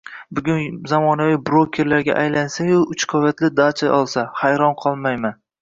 bugun “zamonaviy broker”ga aylansa-yu, uch qavatli “dacha” solsa, hayron qolmayman.